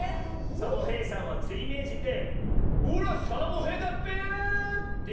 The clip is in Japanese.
サボへいさんはつりめいじんで「おらサボへいだっぺ」っていうひとでしょ。